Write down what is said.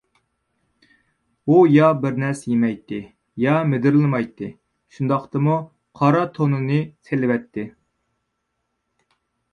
ئۇ يا بىر نەرسە يېمەيتتى، يا مىدىرلىمايتتى، شۇنداقتىمۇ قارا تونىنى سېلىۋەتتى.